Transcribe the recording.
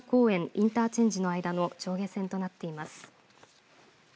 インターチェンジの間の上下線となっています。